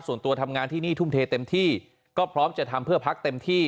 ส่วนตัวทำงานที่นี่ทุ่มเทเต็มที่ก็พร้อมจะทำเพื่อพักเต็มที่